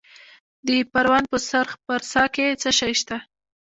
د پروان په سرخ پارسا کې څه شی شته؟